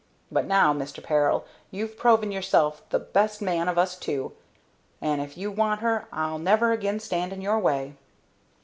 But now, Mister Peril, you've proved yourself the best man of us two, and if you want her I'll never again stand in your way."